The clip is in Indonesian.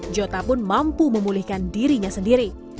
jota pun mampu memulihkan dirinya sendiri